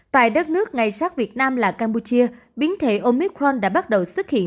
tại đất nước ngay sát việt nam là campuchia biến thể omicron đã bắt đầu xuất hiện